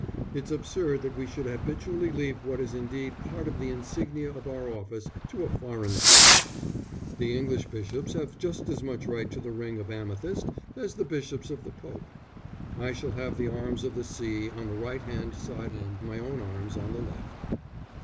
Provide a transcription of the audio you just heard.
It's absurd that we should habitually leave what is indeed part of the insignia of our office to a foreign Church. The English bishops have just as much right to the ring of amethyst as the bishops of the Pope. I shall have the arms of the See on the right hand side and my own arms on the left."